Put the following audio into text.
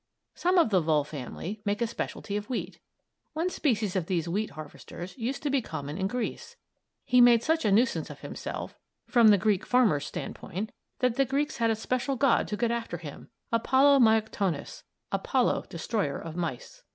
Some of the Vole family make a specialty of wheat. One species of these wheat harvesters used to be common in Greece. He made such a nuisance of himself from the Greek farmer's standpoint that the Greeks had a special god to get after him; Apollo Myoktonos, "Apollo, Destroyer of Mice."